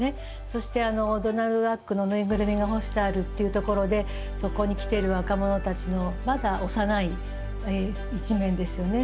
そしてドナルドダックの縫いぐるみが干してあるっていうところでそこに来ている若者たちのまだ幼い一面ですよね。